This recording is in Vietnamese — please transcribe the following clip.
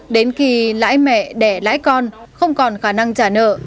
đến khi lãi mẹ đẻ lãi con không còn khả năng trả nợ